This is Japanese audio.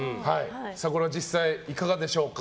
実際いかがでしょうか。